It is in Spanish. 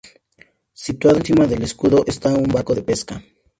Situado encima del escudo esta un barco de pesca.